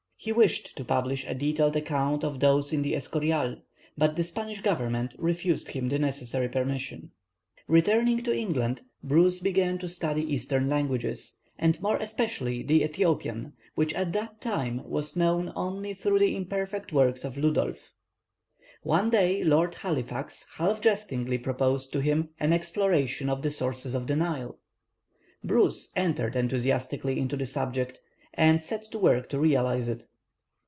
He wished to publish a detailed account of those in the Escorial, but the Spanish Government refused him the necessary permission. [Illustration: Portrait of James Bruce. (Fac simile of early engraving.)] Returning to England, Bruce began to study Eastern languages, and more especially the Ethiopian, which at that time was known only through the imperfect works of Ludolf. One day Lord Halifax half jestingly proposed to him an exploration of the sources of the Nile. Bruce entered enthusiastically into the subject, and set to work to realize it.